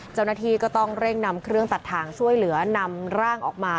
เจ้าหน้าที่ก็ต้องเร่งนำเครื่องตัดทางช่วยเหลือนำร่างออกมา